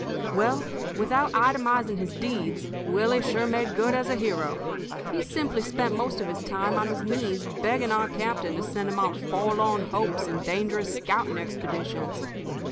"Well, without itemizing his deeds, Willie sure made good as a hero. He simply spent most of his time on his knees begging our captain to send him on forlorn hopes and dangerous scouting expeditions.